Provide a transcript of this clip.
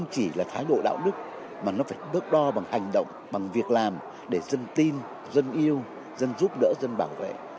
chỉ là thái độ đạo đức mà nó phải đước đo bằng hành động bằng việc làm để dân tin dân yêu dân giúp đỡ dân bảo vệ